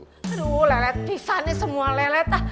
aduh lelet pisangnya semua lelet